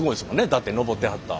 だって登ってはった